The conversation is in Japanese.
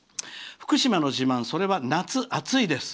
福島の自慢それは夏、暑いです」。